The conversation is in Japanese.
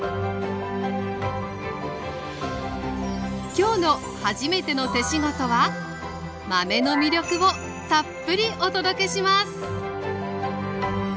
今日の「はじめての手仕事」は豆の魅力をたっぷりお届けします